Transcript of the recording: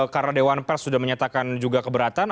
karena dewan pers sudah menyatakan juga keberatan